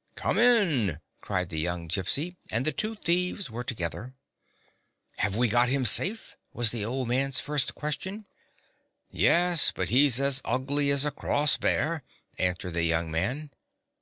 " Come in !" cried the young Gypsy, and the two thieves were together. "Have we got him safe?" was the old man's first question. "Yes; but he 's as ugly as a cross bear," an swered the young man.